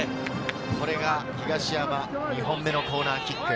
これが東山２本目のコーナーキック。